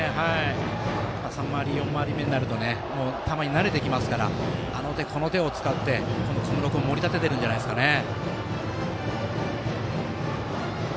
３回り、４回り目になると球に慣れてくるのであの手この手を使って小室君を盛り立てていますね。